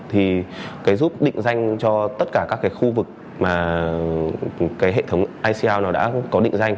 thì cái giúp định danh cho tất cả các cái khu vực mà cái hệ thống icel nó đã có định danh